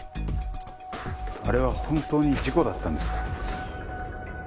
あれは本当に事故だったんですか？